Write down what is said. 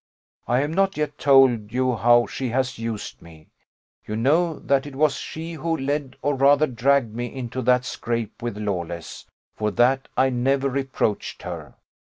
I have not yet told you how she has used me. You know that it was she who led or rather dragged me into that scrape with Lawless; for that I never reproached her.